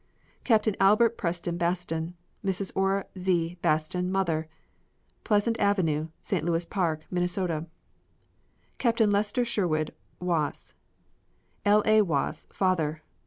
Captain Albert Preston Baston; Mrs. Ora Z. Baston, mother; Pleasant Avenue, St. Louis Park, Minn. Captain Lester Sherwood Wass; L. A. Wass, father.